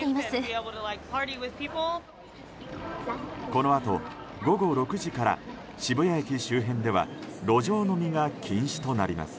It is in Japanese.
このあと、午後６時から渋谷駅周辺では路上飲みが禁止となります。